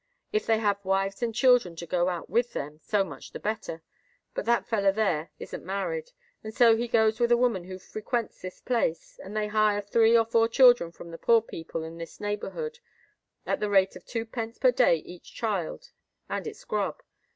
If they have wives and children to go out with them, so much the better: but that feller there isn't married; and so he goes with a woman who frequents this place, and they hire three or four children from the poor people in this neighbourhood, at the rate of two pence a day each child, and its grub.